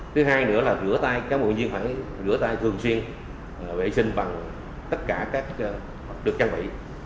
thứ hai nữa là rửa tay thường xuyên vệ sinh bằng tất cả các được trang bị